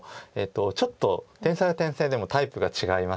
ちょっと天才は天才でもタイプが違います。